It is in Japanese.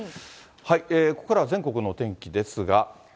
ここからは全国のお天気ですが。